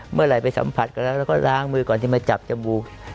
เมื่อไหร่ไปสัมผัสกันแล้วแล้วก็ล้างมือก่อนที่มาจับจมูก